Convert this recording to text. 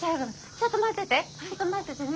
ちょっと待っててね。